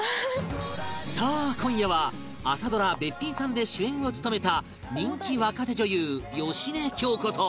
さあ今夜は朝ドラ『べっぴんさん』で主演を務めた人気若手女優芳根京子と